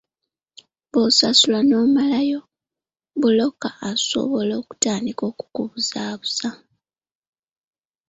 Bw’osasula n’omalayo, bbulooka asobola okutandika okukubuzaabuza.